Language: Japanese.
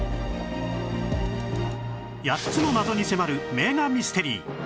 ８つの謎に迫る名画ミステリー